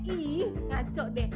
ih ngaco deh